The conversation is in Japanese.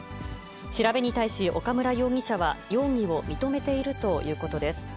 調べに対し、岡村容疑者は容疑を認めているということです。